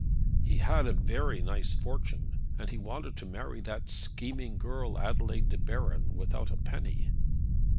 "She had such a very nice fortune! And then he wanted to marry that scheming girl, Adelaide De Baron, without a penny."